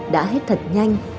đã hết thật nhanh